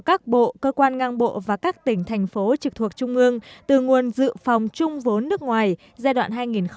các bộ cơ quan ngang bộ và các tỉnh thành phố trực thuộc trung ương từ nguồn dự phòng chung vốn nước ngoài giai đoạn hai nghìn một mươi sáu hai nghìn hai mươi